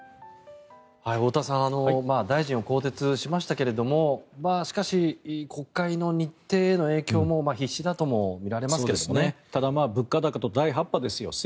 太田さん大臣を更迭しましたけれどもしかし、国会の日程への影響も必至だともみられますけどね。